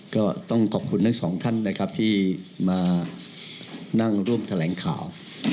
ก็ต้องขอบคุณทั้งสองท่านนะครับที่มานั่งร่วมแถลงข่าว